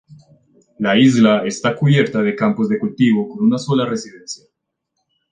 La isla está cubierta de campos de cultivo con una sola residencia.